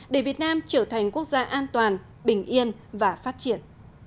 để việt nam trở thành quốc gia an toàn bình yên và phát triển